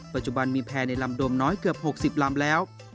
ปัจจุบันมีแพร่ในลำโดมน้อยเกือบ๖๐ลำแล้ว